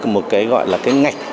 một cái gọi là cái ngạch